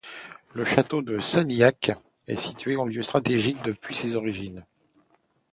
Le Château de Sanilhac est situé à un lieu stratégique depuis ses origines.